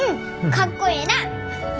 かっこええなぁ！